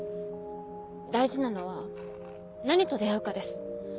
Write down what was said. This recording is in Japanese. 大事なのは何と出会うかです。